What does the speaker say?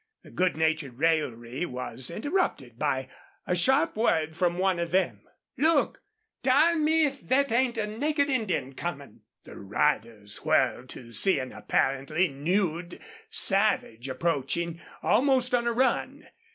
The good natured raillery was interrupted by a sharp word from one of them. "Look! Darn me if thet ain't a naked Indian comin'!" The riders whirled to see an apparently nude savage approaching, almost on a run.